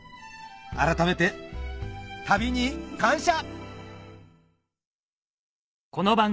改めて旅に感謝！